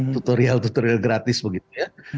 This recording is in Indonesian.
tutorial tutorial gratis begitu ya